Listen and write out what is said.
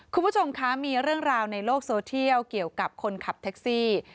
คุณผู้ชมคะมีเรื่องราวในโลกโซเทียลเกี่ยวกับคนขับแท็กซี่